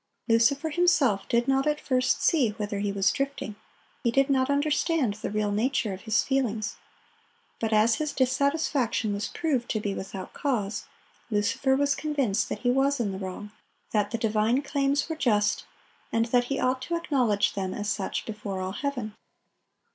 Lucifer himself did not at first see whither he was drifting; he did not understand the real nature of his feelings. But as his dissatisfaction was proved to be without cause, Lucifer was convinced that he was in the wrong, that the divine claims were just, and that he ought to acknowledge them as such before all heaven.